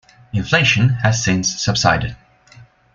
Inflation has since subsided.